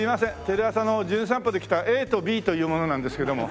テレ朝の『じゅん散歩』で来たＡとＢという者なんですけども。